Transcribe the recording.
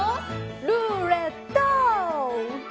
ルーレット！